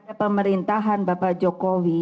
dan pemerintahan bapak jokowi